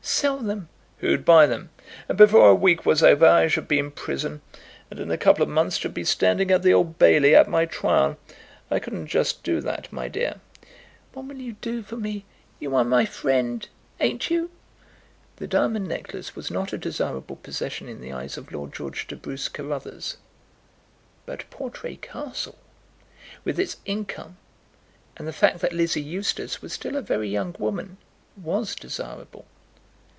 "Sell them." "Who'd buy them? And before a week was over I should be in prison, and in a couple of months should be standing at the Old Bailey at my trial. I couldn't just do that, my dear." "What will you do for me? You are my friend; ain't you?" The diamond necklace was not a desirable possession in the eyes of Lord George de Bruce Carruthers; but Portray Castle, with its income, and the fact that Lizzie Eustace was still a very young woman, was desirable.